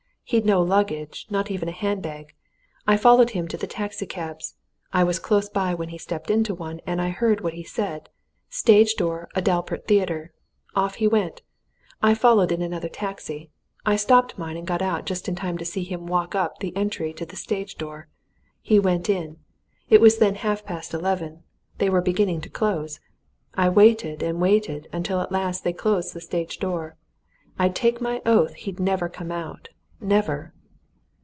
He'd no luggage not even a handbag. I followed him to the taxi cabs. I was close by when he stepped into one, and I heard what he said. 'Stage door Adalbert Theatre.' Off he went I followed in another taxi. I stopped mine and got out, just in time to see him walk up the entry to the stage door. He went in. It was then half past eleven; they were beginning to close. I waited and waited until at last they closed the stage door. I'll take my oath he'd never come out! never!"